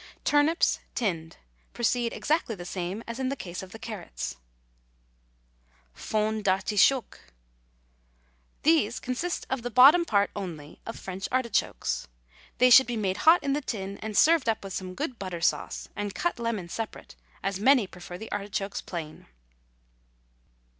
TURNIPS, TINNED. Proceed exactly the same as in the case of carrots. FOND D'ARTICHOKE. These consist of the bottom part only of French artichokes. They should be made hot in the tin, and served up with some good butter sauce, and cut lemon separate, as many prefer the artichokes plain.